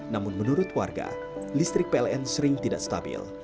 namun menurut warga listrik pln sering tidak stabil